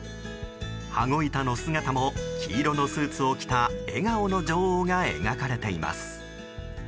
羽子板の姿も黄色のスーツを着た笑顔の女王が描かれています。